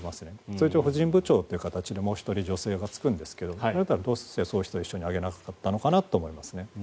それと婦人部長という形でもう１人女性がつくんですがそういう人をどうして一緒に上げなかったのかなと思いますね。